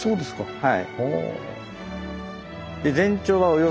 はい。